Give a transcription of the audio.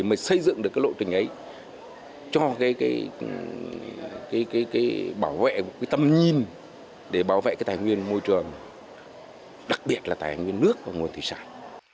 mới xây dựng được cái lộ trình ấy